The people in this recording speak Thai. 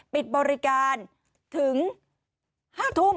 ปิดบริการถึง๕ทุ่ม